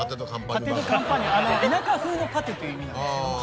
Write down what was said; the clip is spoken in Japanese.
田舎風のパテという意味なんですけれども。